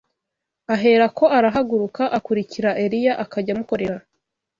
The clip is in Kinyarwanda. Aherako arahaguruka, akurikira Eliya, akajya amukorera